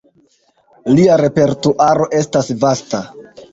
Lia repertuaro estas vasta.